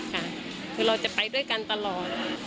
ค่ะคือเราจะไปด้วยกันตลอดค่ะ